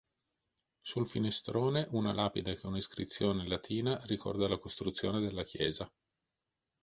Sul finestrone una lapide con iscrizione latina ricorda la costruzione della chiesa.